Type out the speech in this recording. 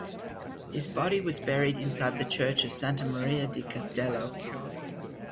His body was buried inside the church of Santa Maria di Castello.